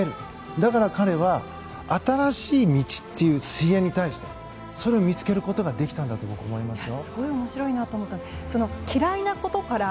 だから彼は新しい道という水泳に対してそれを見つけることができたんだと思いますよ。